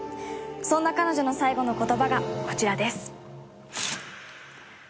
そんな彼女の最期の言葉がこちらです。